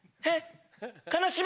えっ？